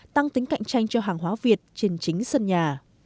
tăng tính cạnh tranh cho hàng hóa việt trên chính sân nhà